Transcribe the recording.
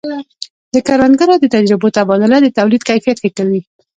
د کروندګرو د تجربو تبادله د تولید کیفیت ښه کوي.